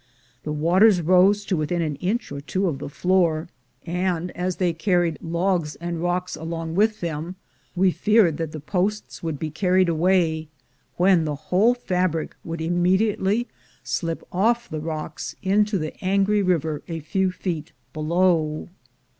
The waters rose to within an inch or two of the floor; and as they carried logs 258 THE GOLD HUNTERS and rocks along with them, we feared that the posts would be carried away, when the whole fabric would immediately slip off the rocks into the angry river a few feet below.